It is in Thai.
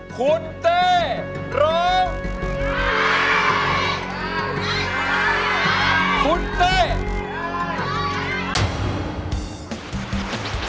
คุณเต้ร้องคุณเต้ไม่ไม่ไม่ไม่